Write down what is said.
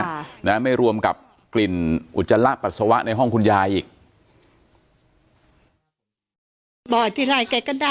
ค่ะนะไม่รวมกับกลิ่นอุจจาระปัสสาวะในห้องคุณยายอีก